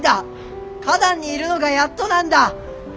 花壇にいるのがやっとなんだ！